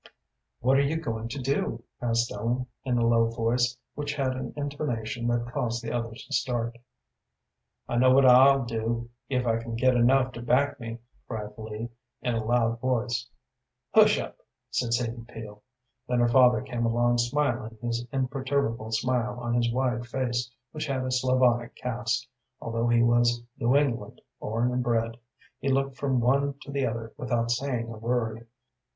"What are you going to do?" asked Ellen, in a low voice, which had an intonation that caused the others to start. "I know what I'll do, if I can get enough to back me," cried Lee, in a loud voice. "Hush up!" said Sadie Peel. Then her father came along smiling his imperturbable smile on his wide face, which had a Slavonic cast, although he was New England born and bred. He looked from one to the other without saying a word.